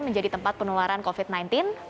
menjadi tempat peneloran virus corona